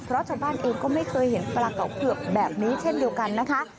เพราะชาวบ้านเองก็ไม่เคยเห็นปลาเก่าเผือกแบบนี้เช่นเดียวกันนะคะ